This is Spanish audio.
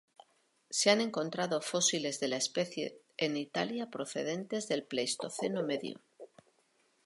Se han encontrado fósiles de la especie en Italia procedentes del Pleistoceno medio.